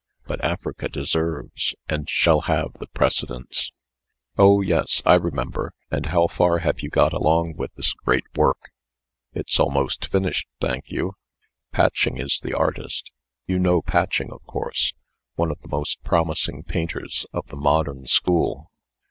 But Africa deserves, and shall have the precedence." "Oh! yes I remember. And how far have you got along with this great work?" "It's almost finished, thank you. Patching is the artist. You know Patching, of course one of the most promising painters of the modern school.